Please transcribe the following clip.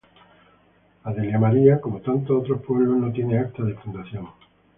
Adelia María, como tantos otros pueblos, no tiene acta de fundación.